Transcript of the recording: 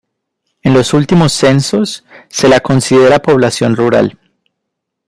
En los últimos censos se la considera población rural.